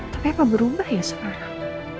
tapi apa berubah ya sekarang